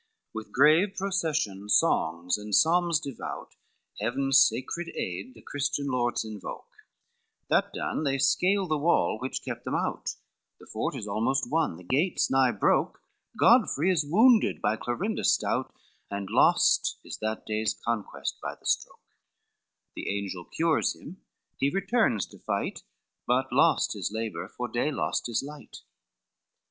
With grave procession, songs and psalms devout Heaven's sacred aid the Christian lords invoke; That done, they scale the wall which kept them out: The fort is almost won, the gates nigh broke: Godfrey is wounded by Clorinda stout, And lost is that day's conquest by the stroke; The angel cures him, he returns to fight, But lost his labor, for day lost his light.